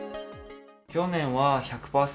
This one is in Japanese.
去年は１００％